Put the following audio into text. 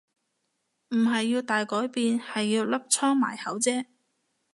唔係要大改變係要粒瘡埋口啫